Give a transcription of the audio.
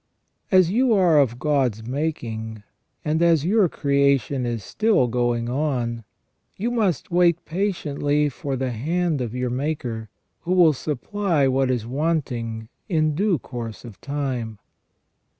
As you are of God's making, and as your creation is still going on, you must wait patiently for the hand of your Maker, who will supply what is wanting in due course of time.